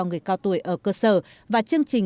người cao tuổi ở cơ sở và chương trình